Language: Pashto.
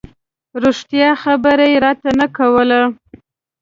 رښتیا خبره یې راته نه کوله.